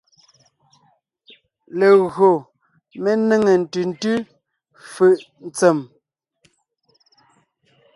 Legÿo mé nêŋe ntʉ̀ntʉ́ fʉʼ ntsèm.